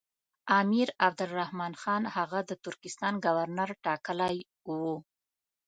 امیر عبدالرحمن خان هغه د ترکستان ګورنر ټاکلی وو.